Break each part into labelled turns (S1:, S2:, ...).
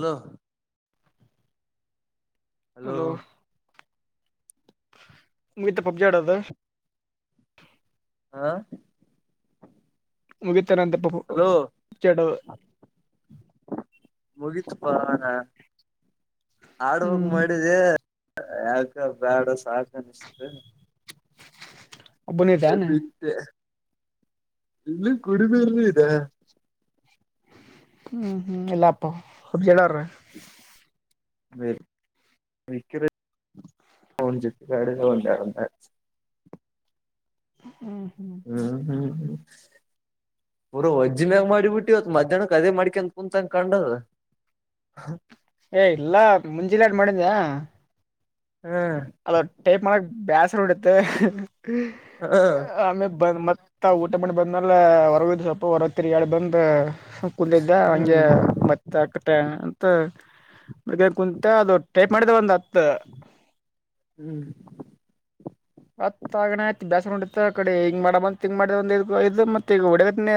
S1: Hello.
S2: Hello ಮುಗಿತ PUBG ಆಡದ.
S1: ಹಾ.
S2: ಮುಗಿತ್ ಏನ್ ಅಂದೇ ಪ ಪಬ್ಜಿ ಆಡೋದ.
S1: ಮುಗೀತ್ ಪಾನ ಆಡಬೇಕ್
S2: ಹ್ಮ್
S1: ಮಾಡಿದ್ದೆ. ಯಾಕ ಬೇಡ ಸಾಕ. ಅನ್ನಿಸಿತ
S2: ಒಬ್ಬನೇ
S1: ಅದಕ್ಕ್
S2: ಇದ್ದಾನ
S1: ಬಿಟ್ಟೆ. [unintelligible]
S2: ಹ್ಮ್ ಹ್ಮ್ ಇಲ್ಲಾ ಅಪ್ಪ ಹುಜ್ಜೆಧರ.
S1: [inaudible] [inaudible]
S2: ಹ್ಮ್.
S1: ಹ್ಮ್ ಹ್ಮ್ ಹ್ಮ್. ಪಊರ ವಜ್ಜನ್್ಯಾಗ ಮಾಡಿಬಿಟ್ಟಿವತ್ ಮಧ್ಯಾಹ್ನಕ್ ಅದೇ ಮಾಡ್ಿಕಂತ ಕುಂತಂಗ ಕಂಡದ. ಹ
S2: ಏ ಇಲ್ಲಾ ಮುಂಜಿಲ್ಲಾಡ್ ಮಾಡಿದ್ದ್ಯ
S1: ಹ್ಮ್
S2: ಅಲ್ಲ ಟೈಪ್ ಮಾಡಕ್ ಬೇಸ ನೋಡತ್ತೆ
S1: ಹ
S2: ಆಮೇಲೆ ಬಂದ ಮತ್ತ ಮ ಊಟ ಮಾಡಿ ಬಂದ್ಮಲೆ ಹೊರಗಿದ್ ಸ್ವಪ ಹೊರಗ ತಿರಿ ಎಾಡ್ ಬಂದ್ ಕುೂದಿದ್ದ ಹಂಗೆ
S1: ಹ್ಮ್
S2: ಮತ್ತ ಆಕಟ್ಟ ಹ ಬಗ ಕುಂತ ಅದು ಟೈಪ್ ಮಾಡಿದ ಒಂದ್ ಹತ್ತು
S1: ಹ್ಮ್
S2: ಮತ್ ಆಗಣತ್ ಬೇಾಸ ನೋಡತ್ ಕಡೆ ಹಿಂಗ್ ಮಾಡ ಬಂತತ್ ಹಿಂಗ ಮಾಡದು ಮತ್ತತ್ ಈಗ ಒಡೆ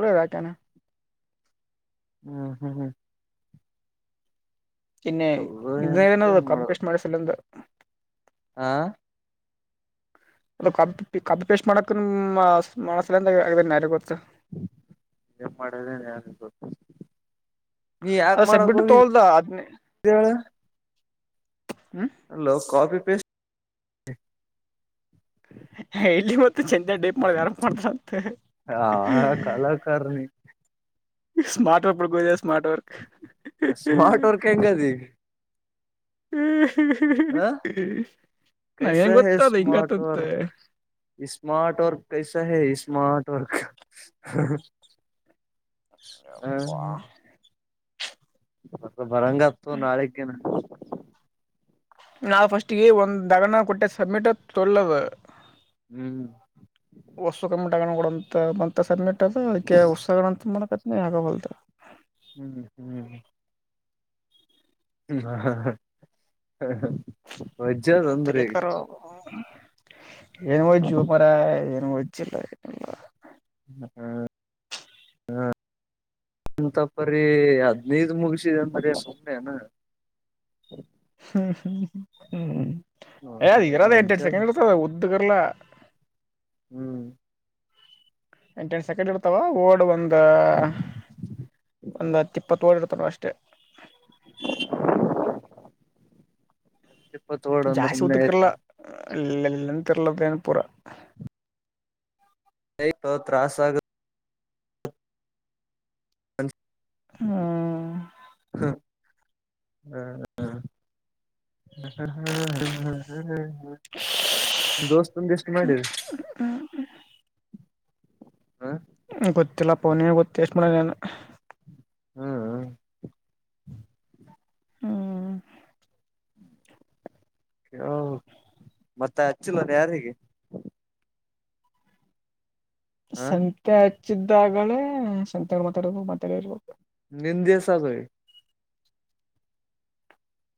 S2: ಒಲದಾಕನೆ
S1: ಹ್ಮ್ ಹ್ಮ್ ಹ್ಮ್
S2: ಇನ್ನೆ ಇದನ
S1: ಎಂತ
S2: ಕಂಪಲೀಷಟ್ ಮಾಡಸಿಲ್ಲಂತ
S1: ಆ
S2: ಅದು ಕಬ್ ಕಬ್ಬು ಪೇಸ್ಟ್ ಮಾಡಕ ಮಸ ಆಗ ಯಾರ ಗೊತ್ತ
S1: ಏನ್ ಮಾಡದನ್ ಗೊತ್ತ ನೀ ಯಾಕ
S2: ಅದ
S1: ಮಾಡಕ್
S2: ಸಬ್ಮಿಟ್
S1: ಹೋಗಿದಿ
S2: ತೋಲ್ದ ಅದ್ನೇ
S1: ಹೇಳ
S2: ಹ್ಮ್
S1: ಅಲೋ ಕಾಫಿ ಪೇಸ್ಟ್
S2: ಇಲ್ಲಿ ಮತ್ತ ಚೆಂದ ಡೇಪ್ ಮಾಡ ಆರ ಮಾಡ್ತಾರ ಅಂತ
S1: ಹ ಕಲಾಕಾರನಿ [unintelligible]
S2: ಸ್ಮಾರ್ಟ್ ವರ್ಕ್ ಪಡ ಗೋದ ಸ್ಮಾರ್ಟ್ ವರ್ಕ್ ಹ್ಮ
S1: ಹೆಂಗದಿ
S2: ಹ ಹ ಹ್ಮ
S1: ಕಸಾ ಹ ಸ್ಮಾರ್ಟ ವರ್ಕ್ ಸ್ಮಾರ್ಟ ವರ್ಕ್ ಕೈಸಾ ಹ ಸ್ಮಾರ್ಟ ವರ್ಕ್
S2: ಅಪ್ಪಾ
S1: ಮ ಬರಂಗತ್ತು ನಾಳಗ್
S2: ನಾವು ಫಸ್ಟ್ಗೆ ಒಂದು ಗಗನ ಕೊಟ್ಟ ಸಬ್ಮಿಟ್ ತೊಳ್ಳವ
S1: ಹ್ಮ್
S2: ಟಡಂತ ಮ ಸ್ಮೆ ಅದ ಅದ ಉಸಂತ ಮಾಡಕತ್ನ ಆಗಲ್
S1: ಹ್ಮ್ ಹ್ಮ್ ಹಾ ಹಾ ಹಾ
S2: ಲ್ಲಿಕ್ಕ ಏನು ಜುವ ಮರ ಹಿಲ್ಲಲ್ಲ
S1: ಹ್ಮ್ ಹ್ಮ್ ಅಂತಪರಿ ಹದ್ನದ ಮುಗಸಿದ ಅಂತರಿ ಸುಮನೆನಾ
S2: ಹ್ಮ್ ಹ್ಮ್ ಹ್ಮ್ಅದ್ ಇರದ ಎಂಟೆಡು
S1: ವಜ್ಜದ
S2: ಸೆಕೆಂಡ್ ಇರ್ತದ ಉದ್ದಗರ್ಲ್ಲಾ
S1: ಹ್ಮ್
S2: ಎಂಟಂ ಸೆಕೆಂಡ್ ಇರ್ತಾವ ಓಡ್ ಒಂದ ಒಂದ್ ಹತ್ತು ಇಪ್ಪತ್ತು ಓಡ್ ಇರ್ತ ತ ಅಷ್ಟೆ
S1: [unintelligible] ಇಪ್ಪತ್ ವಡ್ ಒಂದ ಒಮ್ಮನೆ ಆಯ್ತ
S2: ಇಲ್ಲ ಇಲ್ಲಂತ ಇರ್ಲದೇನ ಪುರ
S1: ಸ ತ್ರಾಸ ಆಗ ಹ
S2: ಹ್ಮ
S1: ಹ ಹ್ಮ ದೋಸ್ತಂದ ಎಷ್ಟು ಮಾಡರಿ ಹಾ
S2: ಗೊತ್ತಿಲ್ಲಪ್ಪ ನೀ ಗೊತ್ತ ಎಷ್ಟು ಮಾಡನ್
S1: ಹ್ಮ್
S2: ಹ್ಮ
S1: ಹ ಮತ್ತೆ ಹಚ್ಚಿಲ್ಲದೆ ಯಾರಿಗೆ ಹ
S2: ಸಂತೆ ಹಚ್ಚಿದ್ದಾಗಲೇ ಸಂತೆ ಮಾತಾ ಇರ್ಬೇಕು ಮಾತಲ್ಲ ಇರ್ಬೇಕು
S1: ನಿಂದಿ ಸಾಗಯ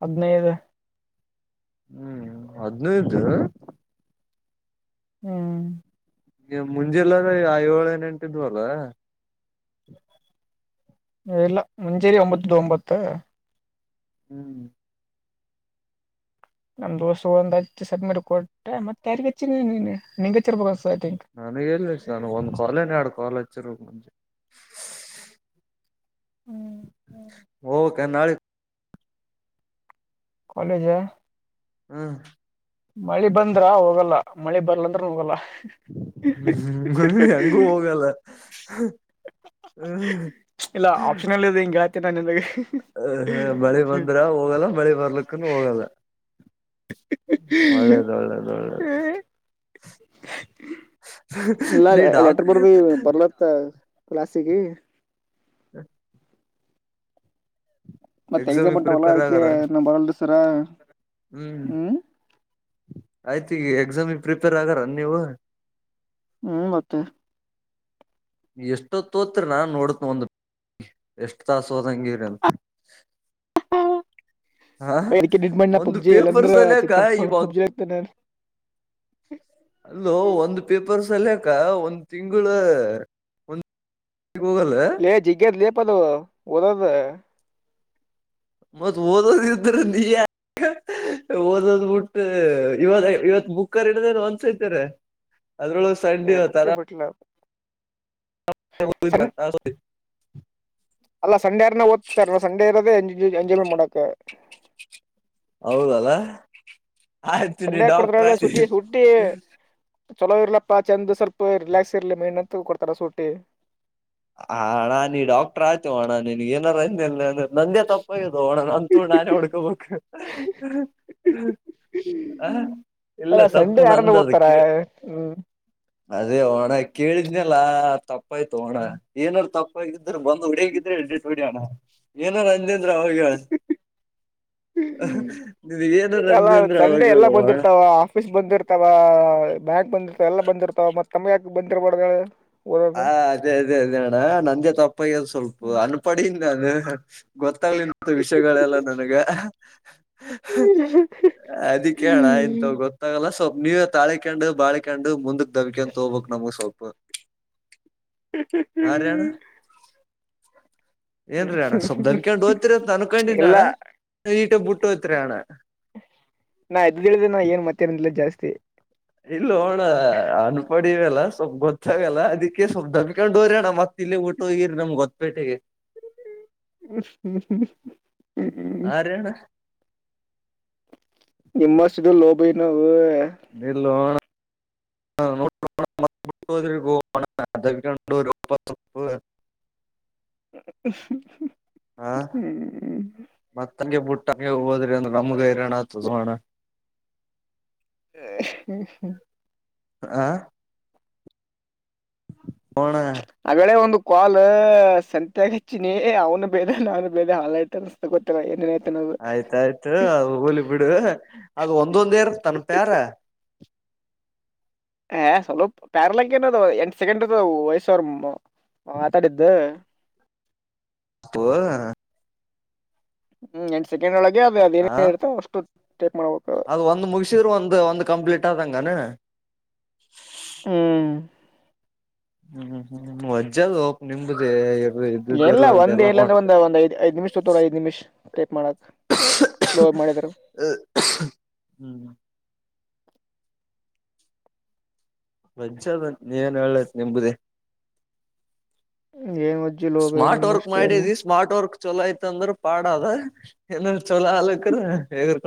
S2: ಹದಿನೈದು
S1: ಹ್ಮ್ ಹದ್ನೂಯ್ದ
S2: ಹ್ಮ್
S1: ಈ ಮುಂಜೆಿಲ್ಲದ ಐಏಳುಿನೆಂಟಿದ್ವಲ್ಲ
S2: ಇಲ್ಲ ಮುಂಚೇರಿ ಒಂಬತ್ತು ಒಂಬತ್ತು
S1: ಹ್ಮ್
S2: ನಮ್ ದೋಸ ಒಂದ ಹ್ ಸಬ್ಮಿಟ್ ಕೊಟ್ಟ ಮತ್ತೆ ಯಾರಿಗಚ್ಚ ನಿನ್್ ಹಚ್ಚಿರ್ಬೇಕ ಅನ್ಸತೈತಿ
S1: ನನಗ ಎನ ನಾನ ಒಂದ್ ಕಾಲ ನ್ ಎರಡು ಕಾಲ್ ಹಚ್ಚಿರ್ ಮುಂಜೆ ಹೋಬೇಕ ಏನ ನಾಳಿಗ
S2: ಕಾಲೇಜಾ
S1: ಹ್ಮ್
S2: ಮಳಿ ಬಂದ್ರ ಹೋಗಲ್ಲ ಮಳಿ ಬರ್ಲಂದ್ರ ಹೋಗಲ್ಲ
S1: ಹ್ಮ್ ಹಂಗು ಹೋಗಲ್ಲ ಹ್ಮ್
S2: ತನ ಅನ್ನಬ್ಯಾಳಿ
S1: ಹ ಬಳಿ ಬಂದ್ರ ಹೋಗಲ್ಲ ಬಳಿ ಬರ್ಲಕ್ಕನು ಹೋಗಲ್ಲ ಒಳ್ಳದ ಒಳ್ಳದ ಒಳ್ಳದ
S2: ಇಲ್ಲ ಲೆಟರ್ ಬರ್ ಬರ್ಲತ್ತ ಕ್ಲಾಸ್ಟಿಕ
S1: [inaudible]
S2: ಮತ್ತ ಎಕ್ಸಾಮ್
S1: ಎಕ್ಸಾಮಿಗೆ
S2: ಉಂಟಾವಲ್ಲ
S1: ಪ್ರಿಪೇರ್
S2: ಅ್ಕೆ
S1: ಆಗಾರ
S2: ನಾ ಬರಲ್ ಸರ
S1: ಹ್ಮ್ ಆಯ್ತು ಈಗ ಎಕ್ಸಾಮಿಗೆ ಪ್ರಿಪೇರ್ ಆಗಾರ ನೀವು
S2: ಹ್ಮ್ ಮತ್ತೆ
S1: ಎಷ್ಟೊ ತೋತ್ರಿ ನಾ ನೋಡತ್ ಒಂದು ಎಷ್ಟು ತಾಸ ಹೋದಂಗಿರಿ ಅಂತ ಹಾ
S2: ಅದಕ್ಕೆ ನಿಡ್ ಮಾಡಿ ನಾ
S1: ಒಂದು
S2: ಪಬ್ಜಿ ಇಲ್ಲಂದ್ರ
S1: ಪೇಪರ್ಸ್ಲ್ಲಯಕ್ಕ
S2: ಚಿಂತ
S1: ಇವಾಗ
S2: ಪಬ್ಜಿ ಆಗ್ತಾನೆ
S1: [inaudible] ಅಲ್ಲ
S2: ನಾನು
S1: ಒಂದು ಪೇಪರ್ ಸಲ್ಯಕ ಒಂದ್ ತಿಂಗಳ ಒ
S2: ಲೇ ಜಿಗ್ಗದ ಲೇ ಪದು ದದ
S1: ಮತ್ತ್ ಓದೋದ್ರ ನೀ ಓದೋದ್ಬ ಬಿಟ್ಟ ಇವ ಇವತ್ ಬಕ್ಕರ್ ಇಡದ ಒಂದಸೈತಾರೆ ಅದ್ರೊಳ ಸಡ್
S2: ಏ
S1: ಇವ ತರ
S2: ಬುಕ್ಕೇ ಬಿಟ್ಲ ಸನ್
S1: [unintelligible]
S2: ಅಲ್ಲ ಸಂಡೇ ಅರನ ಓದ್ತಾರ ಸಂಡೇರೋದ ಎಂಜಾಯ್ಮೆಂಟ್ ಮಾಡಾಕ್
S1: ಹೌದಲ್ಲ ಆಯ್ತೀನಿ
S2: ಸಂಡೆ
S1: ಡಾಕ್ಟರ್
S2: ಕೊಡ್ತಾರಲ್ಲ
S1: ಆಯ
S2: ಸುಟಿ ಸುಟ್ಟಿ ಚಲೋ ಇರ್ಲಪ್ಪಾ ಚೆಂದ್ ಸ್ವಲ್ಪ ರಿಲ್ಯಾಕ್ಸ್ ಇರ್ಲಿ ಮೈಂಡ ಅಂತ ಕೊಡ್ತಾರ ಸೂಟಿ
S1: ಹ ಅಣ್ಣ ನೀ ಡಾಕ್ಟರ್ ಆಯ್ತು ಅಣ್ಣ ನಿನ್ ಏನಾರಂದ ನಂದೇ ತಪ್ಪಾಗದುೋಣ ನಂತು ನಾನೇ ಹಡ್ಕೊಬೇಕ ಹ ಇಲ್ಲ
S2: ಅಲ್ಲ
S1: ತಪ್ಪು
S2: ಸಂಡೆ
S1: ನ
S2: ಯಾರನ್ನ
S1: ಅಂದ
S2: ಓದ್ತಾರ
S1: ಅದಕ್ಕೆ
S2: ಹ್ಮ್
S1: ಅದೇ ಹಓಣ ಕೇಳಿದ್ನಲ್ಲ ತಪ್ಪಾಯ್ತು ಹೋಣ ಏನಾದಾರರು ತಪ್ಪ ಅ್ರ ಬಂದು್ ಹೊಡಂಗಿದ್ರೆ ಎಟ್ ಹೊಡಿಯಣ ಏನ ರಜೇಂದ್ರ ಅವ ಹೇಳ
S2: ್ಮ
S1: ನೀನ್ ಏನಾರ
S2: ಅಲ್ಲ
S1: ಅಂದೆ ಅಂದ್ರ ಅವಾಗ
S2: ಸಂಡೆ ಎಲ್ಲ
S1: ಹೇಳು ಓ ಅಣ್ಣ
S2: ಬಂದಿರ್ತಾವ ಆಫೀಸ್ ಬಂದಿರ್ತಾವ ಬ್ಯಾಂಕ್ ಬಂದಿರ್ತಾವ ಎಲ್ಲ ಬಂದಿರ್ತಾವ ಮತ್ತ್ತಮ್ಮಗೆ ಯಕ ಬಂದಿರ್ಬಾರ್ದ
S1: ಹಾ
S2: ಓದೋದು
S1: ಅದೇ ಅದೇ ಅದೇ ಅಣ್ಣ ನಂದೇ ತಪ್ಪಗೆ ಸ್ವಲ್ಪ ಅನ್ಪಡಿಂದ ನಾನ ಗೊತ್ತ ಮತ್ತ ವಿಷಯಗಳೆಲ್ಲ ನನಗ ಅದಿ ಕೇಳಣ ಎಂತ ಗೊತ್ತಾಗಲ್ಲ ಸ್ವಲ್ಪ ನೀವ ತಾಳಿಕಂಡು ಬಾಿಕಂಡು ಮುಂದಕ್ ದಬ್ಬಿಕ ಅಂತ ಹೋಗ್ಬೇಕಕ್ ನಮಗ್ ಸ್ವಲ್ಪ
S2: ಹ್ಮ
S1: ಹಾ ರೀ ಅಣ್ಣ
S2: ಹ್ಮ್ ಹ್ಮ್
S1: ಏನ್ರೀ ಅಣ್ಣ ಸ್ವಲ್ ದಬ್ಕೊಂಡು ಓದ್ತಿೀರಂತ ಅನ್ಕೊಂಡಿನಿ
S2: ಇಲ್ಲ
S1: ಅಣ್ಣ ಈಟ ಬುಟ್ಟು ಹೋಯಿತಿರಾ ಅಣ್ಣ
S2: ನಾ ಇದ್ದಳಿದೆ ನ ಏನ್ ಮತ್ತ್ಯಾನಿಲ್ಲ ಜಾಸ್ತಿ
S1: ಇಲ್ಲ ಹೋಅಣ್ಣ ಅನ್ಪಡವಲ್ಲ ಸ್ವಲ್ಪ್ ಗೊತ್ತಾಗಲ್ಲ ಅದಕ್ಕೆ ಸ್ವಲ್ಪ್ ದಬ್ಕೊಂಡು ಹೊರಿಯೋ ಅಣ್ಣ ಮತ್ತ ಇಲ್ಲಿ ಊಟೋಗಿರ್ ನಮ್ ಗೋತಪೇಟೆಗೆ
S2: ಹ್ಮ್ಮ ಹ್ಮ್
S1: ಹಾ ರೀ ಅಣ್ಣ
S2: ನಿಮ್ಮಸಿದ ಲೋಬಿ ನಾವು
S1: ನಿಲ್ಲ ನೋ ಅಣ್ಣ [unintelligible] [unintelligible]
S2: ಹ್ಮ್
S1: ಮತ್ತಂಗೆ ಬುಟ್ಟಂಗೆ ಹೋದ್ರಿ ಅಂದ್ರ ನಮ್ಗ ಹೈರಣ ಆತದಹೋ ಅಣ್ಣ
S2: ಹ್ಮ
S1: ಆ
S2: ಆವೇಳೇ ಒಂದು ಕಾಲ್ ಸಂತೆಗ ಹಚ್ಚಿನಿ ಅವ್ನು ಬೇದ ನಾನು ಬೇದ ಹಾಯ್ತ ಅನ್ಸತ ಗೊತ್ತ ಏನೇನ್ತ
S1: ಆಯ್ತಾಯ್ತು ಅದ ಹೋಲಿ ಬಿಡು ಅದು ಒಂದೊಂದೇರ್ ತನ್ ಪ್ಯಾರ
S2: ಹ ಸ್ವಲ್ಪ ಪಾರಲೆಕ್ಕನ ಅ ಎಂಟ್ ಸೆಕೆಂಡ್ ಅ ವಯಸ್ಸ ವರ್ಮ್ಮ ಮಾತಾಡಿದ್ದು
S1: ಅಪ್ಪ
S2: ಹ್ಮ್ ಎಂಟ ಸೆಕೆಂಡ ಒಳಗೆ ಅದು ಅದ ಏನೇನ್ ಇರ್ತ ಅಷ್ಟು ಟೈಪ್ ಮಾಡ್ಬೇಕು
S1: ಅದ ಒಂದ್ ಮುಗಸಿದ್ರ ಒಂದ ಒಂದ್ ಕಂಪ್ಲೀಟ್ ಆದಂಗನ
S2: ಹ್ಮ್
S1: ಹ್ಮ್ ಹ್ಮ್ ಮಜ್ಜ ಅಲ್ ಒ ನಿಮ್ದುಕೆ
S2: ಎಲ್ಲ ಒಂದ ಎಲ್ಲ ಅಂದ್ರೆ ಒಂದ ಒಂದ ಐದ್ ಐದ ನಿಮಿಷ್ ತ ತೋ ಐದ್ ನಿಮಿಷ ಟೈಪ್ ಮಾಡಕ್ ಸ್ಲೋ ಮಾಡಿದರು
S1: ಹ್ಮ್ ಮಜ್ಜದ ನೀವನ್ ಹೇಳತ್ ನಿಂಬುದಿ
S2: ಏನ್ ಒಜ್ಜಿ ಲೋಬ
S1: ಸ್ಮಾರ್ಟ್ ವರ್ಕ್
S2: ನಿಮ್ಮಷ್ಟೇನು
S1: ಮಾಡಿದಿ ಸ್ಮಾರ್ಟ್ ವರ್ಕ್ ಚೊಲೋ ಐತ್ಂದ್ರ ಪಾಡ ಅದ ಏನ ಚಲೋ ಆಲಕ್ರ ಏಗರ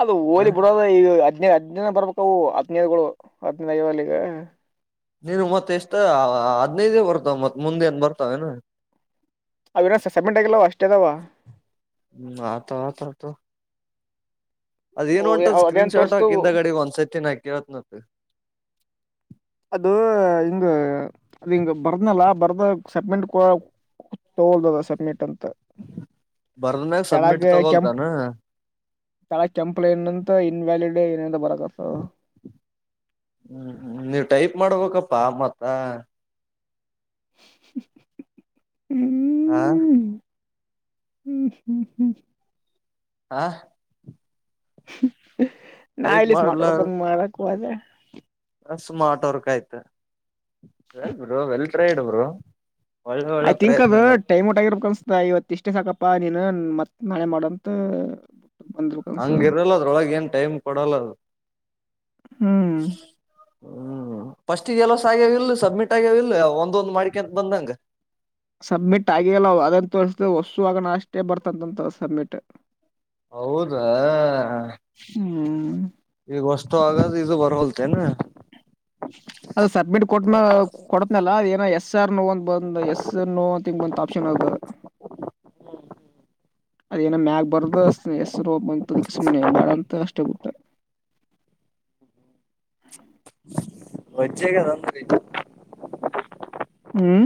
S2: ಅದು
S1: ಹ
S2: ಹೋಲಿ ಬಿಡೋದ ಈಗ ಹದ್ನೇ ಹದ್ನ ಬರ್ಬೇಕ ಅವು ಹದನೈದುಗಳು ಹದಿನೈದು ಐವಲ್ಲಿಗೆ
S1: ನೀನು ಮತ್ತೆ ಎಷ್ಟ ಹಾಡನೈದೇ ಬರ್ತಾವ ಮತ್ ಮುಂದೆ ಏನ್ ಬರ್ತಾವ ಏನು
S2: ಅವನ ಸಬಮಿಟ್ ಆಗಿಲ್ಲವ ಅಷ್ಟೇ ಅದಾವ
S1: ಹ್ಮ್ ಆತ ಅದೇನು ಉಂಟದ ಸ್ಕ್ರೀನ್
S2: ಅದೇನ್
S1: ಶಾಟ್
S2: ತೋರ್ಸ್ತು
S1: ಹಾಕಿಂದ ಹಿಂದಾಗಡಿಗ ಒಂದ್ಸೈತಿಿನ ನಾ ಕೆಳತನ್ ಅಂತ
S2: ಅದು ಹಿಂಗ ಅದು ನಿಂಗ ಬರ್ದ್ನಲ್ಲ ಬರ್ದ ಸಬಮಿಟ್ ತೋಲ್ದದ ಸಬ್ಮಿಟ್ ಅಂತ
S1: ಬರ್ದಮ್ಯಾಗ ಸಬ್ಮಿಟ್ ತಗೊಲ್ತಾನ
S2: ತಳೆಗ ಕೆಂಪ್ ಲೈನ್ ಅಂತ ಇನ್ವ್ಯಾಲಿಡ್ ಏನೇನ ಬರಕತ್ತದ
S1: ಹ್ಮ್ ಹ್ಮ್ ನೀವ್ ಟೈಪ್ ಮಾಡಬೇಕಪ್ಪಾ ಮತ್ತ ಹಾ
S2: ಹ್ಮ್ ಹ್ಮ್ ಹ್ಮ್ ಹ್ಮ್
S1: ಹಾ
S2: ನಾ
S1: ಟೈಪ್
S2: ಇಲ್ಲಿ ಸ್ಮಾರ್ಟ್
S1: ಮಾಡ್ಲ
S2: ವರ್ಕ್ ಅದು ಮಾಡಕ್ ಹೋದೆ
S1: ಸ್ಮಾರ್ಟ್ ವರ್ಕ್ ಆಯ್ತು ವೆಲ್ ಬ್ರೋ ವೆಲ್ಬ್ರೈಡ ಬ್ರೋ ಒಳ್ಳೆ
S2: ಐ
S1: ಒಳ್ಳೆ
S2: ಥಿಂಕ್ ಅದು
S1: ಪ್ರಯತ್ನಗಳು
S2: ಟೈಮ್ ಔಟ್ ಆಗಿರಬೇಕು ಅನ್ಸುತ್ತೆ ಇವತ್ತು ಇಷ್ಟೇ ಸಾಕಪ್ಪ ಪ್ಪಾ ನೀನು ಮತ್ ನಾಳೆ ಮಾಡಂತ ಬಂದ್ಬೇಕ ಅನ್ಸ
S1: ಹಂಗ ಇರಲ್ಲ ಅದ್ರೊಳಗ ಏನ್ ಟೈಮ್ ಕೊಡಲ್ಲ ಅದು
S2: ಹ್ಮ್
S1: ಹ್ಮ್ ಫಸ್ಟ್ ಎಲಸ ಆಗ್ಯವ ಇಲ್ ಸಬ್ಮಿಟ್ ಆಗ್ಯವಲ್ಲ ಒಂದೊಂದ್ ಮಾಡಿಕೆ ಅಂತ ಬಂದಂಗ
S2: ಸಬ್ಮಿಟ್ ಆಗೆಯಲ್ಲವ ಅದಂತ ತೋರಿಸಿದೆ ಹೊಸುವಾಗಣ ಅಷ್ಟೇ ಬರ್ತಂತಂತ ಸಬ್ಮಿಟ್
S1: ಹೌದಾ
S2: ಹ್ಮ್
S1: ಈಗ ಅಷ್ಟು ಆಗಾದ ಇದು ಬರಹಲ್ತೆೇನಾ.
S2: ಅದು ಸಬ್ಮಿಟ್ ಕೊಟ್ಟ ಮ್ಯಾಗ್ ಕೊಡತನಲ್ಲ. ಎಸ್ ಆರ್ ನೋ ಅಂತ ಬಂದ ಎಸ್ ನೋ ಅಂತ ತಿಂಗ ಬಂತ ಆಪ್ಷನ್ ಅದ.
S1: ಹ್ಮ್ ಹ್ಮ್.
S2: ಅದೇನೋ ಮ್ಯಾಗ ಬಾರದು ಹೆಸರುೋ ಅಂತದಕ್ಕೆ ಸುಮ್ನೆ ಬೇಡ ಅಂತ ಅಷ್ಟೇ ಬಿಟ್ಟೆ.
S1: ವಜ್ಜ ಆಗ್ಯದ ಅನ್ರಿ.
S2: ಹ್ಮ್.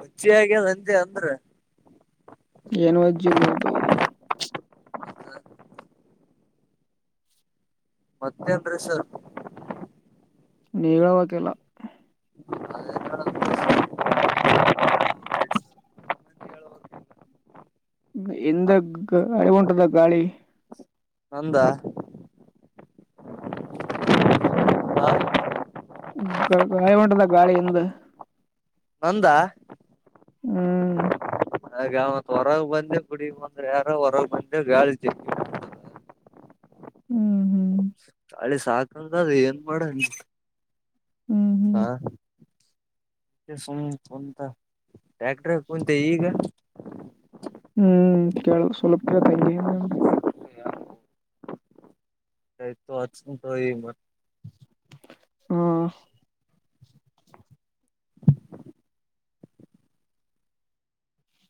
S1: ವಜ್ಜ ಹ್ಯಾಗ್ಯದ ಅಂದೆ ಅಂದ್ರ.
S2: ಏನ ವಜ್ಜಿಲ್ಲೋ ಭೈ.
S1: ಮತ್ತೆನ ರಿ ಸರ್.
S2: ನಿವಾಹೇಳಬೇಕ ಎಲ್ಲಾ. [inaudible] ಇಂದ ಗಾಳಿ ವಂಟದ ಗಾಳಿ.
S1: ನಂದ. ಆ,
S2: ಗಾಳಿ ಹೊಂಟದ ಗಾಳಿ ಹಿಂದ.
S1: ನಂದಾ.
S2: ಹ್ಮ್.
S1: ಅ ಮತ್ ಹೊರಗ ಬಂದೆ ಗುಡಿಗ ಒಂದ್ರ ಯಾರ ಹೊರಗ ಬಂದೆ ಗಾಳಿ ಜಗ್ಗಿ
S2: ಹ್ಮ್ ಹ್ಮ್.
S1: ಅಳಿ ಸಾಕಂದ ಅದು ಏನ್ ಮಾಡ
S2: ಹ್ಮ್
S1: ಹಾ.
S2: ಹ್ಮ್
S1: ಸುಮ್ಮ್ ಕುಂತ ಟ್ಯಾಕ್ಟ್ರ ಕುಂತ ಈಗ.
S2: ಹ್ಮ್ ಕೇಳ ಸುಲಪ ಕೇಳ ತಂಗಗೆ ಹಿಂದ.
S1: [unintelligible]
S2: ಹಾ.